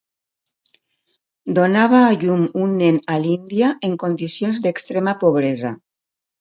Donava a llum un nen a l'Índia en condicions d'extrema pobresa.